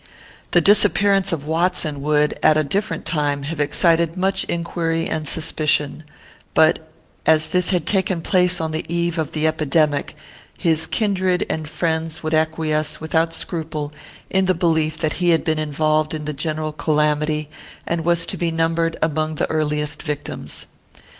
The disappearance of Watson would, at a different time, have excited much inquiry and suspicion; but, as this had taken place on the eve of the epidemic, his kindred and friends would acquiesce, without scruple, in the belief that he had been involved in the general calamity, and was to be numbered among the earliest victims.